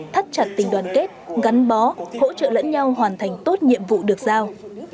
thắt chặt tình đoàn kết gắn bó hỗ trợ lẫn nhau hoàn thành tốt nhiệm vụ được giao